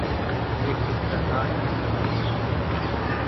یہ کس طرح کی پنچھی ہے